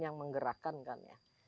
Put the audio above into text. yang menggerakkan kan ya